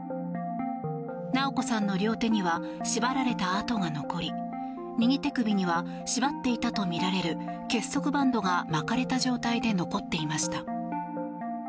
直子さんの両手には縛られた痕が残り右手首には縛っていたとみられる結束バンドが巻かれた状態で残っていました。